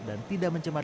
dan tidak mencabar